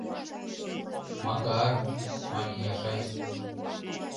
Макар... — мане Яшай.